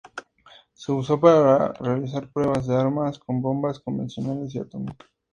Se usó para realizar pruebas de armas con bombas convencionales y atómicas.